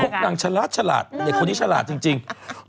พวกนางชลัดคนนี้ชลัดจริง